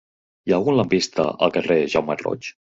Hi ha algun lampista al carrer de Jaume Roig?